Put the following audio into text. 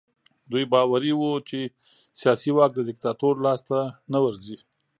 دوی باوري وو چې سیاسي واک د دیکتاتور لاس ته نه ورځي.